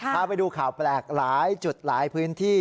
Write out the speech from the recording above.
พาไปดูข่าวแปลกหลายจุดหลายพื้นที่